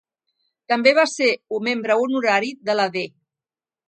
També va ser membre honorari de la D.